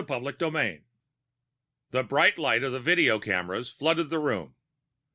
XIII The bright light of the video cameras flooded the room.